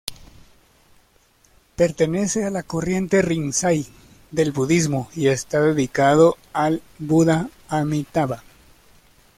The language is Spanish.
Pertenece a la corriente Rinzai del budismo y está dedicado al Buddha Amitābha.